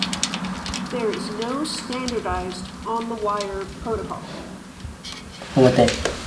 There is no standardized on-the-wire protocol.